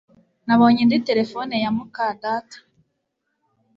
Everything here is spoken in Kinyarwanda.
Nabonye indi terefone ya muka data